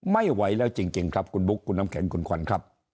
ไม่ไหวแล้วจริงครับคุณบุ๊คคุณน้ำแข็งคุณขวัญครับ